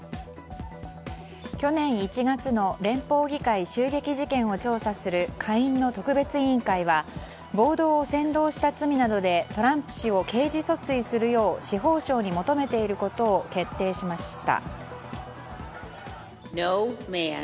去年１月の連邦議会襲撃事件を調査する下院の特別委員会は暴動を扇動した罪などでトランプ氏を刑事訴追するよう司法省に求めていることを決定しました。